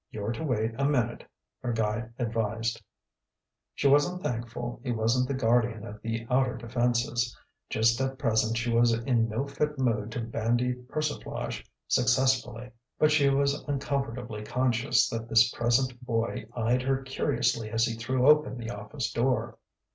"You're to wait a minute," her guide advised. She was thankful he wasn't the guardian of the outer defences: just at present she was in no fit mood to bandy persiflage successfully. But she was uncomfortably conscious that this present boy eyed her curiously as he threw open the office door.